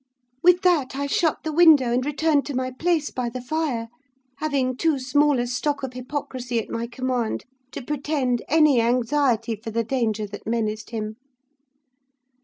"With that I shut the window and returned to my place by the fire; having too small a stock of hypocrisy at my command to pretend any anxiety for the danger that menaced him.